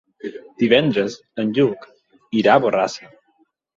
Divendres en Lluc irà a Borrassà.